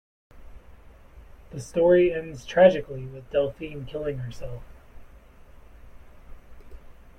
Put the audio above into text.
The story ends tragically with Delphine killing herself.